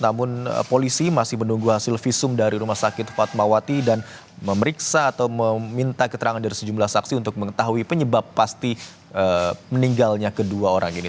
namun polisi masih menunggu hasil visum dari rumah sakit fatmawati dan memeriksa atau meminta keterangan dari sejumlah saksi untuk mengetahui penyebab pasti meninggalnya kedua orang ini